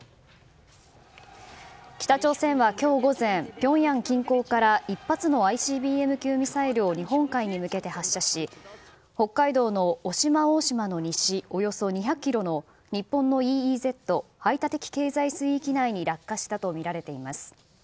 北朝鮮は今日午前ピョンヤン近郊から１発のＩＣＢＭ級ミサイルを日本海に向けて発射し北海道の渡島大島の西およそ２００ｋｍの日本のＥＥＺ・排他的経済水域内に落下したとみられています。